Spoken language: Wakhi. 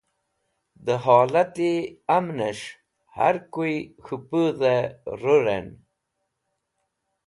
De holati Amnes̃h Har kuy K̃hu Pudhve Ruran